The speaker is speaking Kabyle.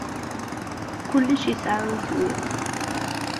Kullec yesɛa iswi.